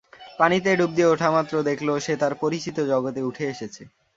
পানিতে ডুব দিয়ে ওঠামাত্র দেখল, সে তার পরিচিত জগতে উঠে এসেছে।